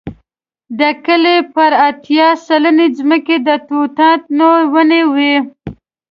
د کلي پر اتیا سلنې ځمکې د توتانو ونې وې.